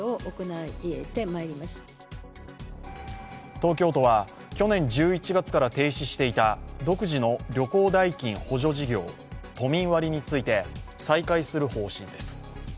東京都は去年１１月から停止していた独自の旅行代金補助事業、都民割について再開する方針です。